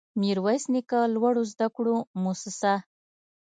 ميرويس نيکه لوړو زده کړو مؤسسه